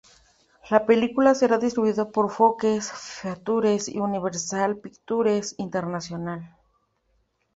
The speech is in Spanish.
La película será distribuida por Focus Features y Universal Pictures International.